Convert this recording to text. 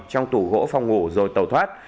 trong tủ gỗ phòng ngủ rồi tàu thoát